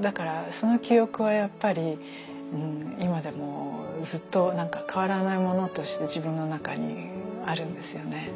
だからその記憶はやっぱり今でもずっと変わらないものとして自分の中にあるんですよね。